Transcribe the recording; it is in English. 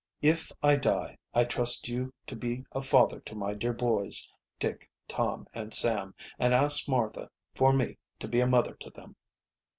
If I die, I trust you to be a father to my dear boys, Dick, Tom, and Sam, and ask Martha for me to be a mother to them.